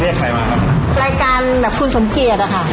ใครมาครับรายการแบบคุณสมเกียจอะค่ะ